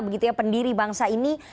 begitu ya pendiri bangsa ini